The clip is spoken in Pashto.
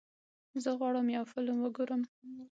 زه غواړم یو فلم وګورم.